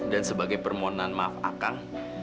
dan sebagai permohonan maaf akan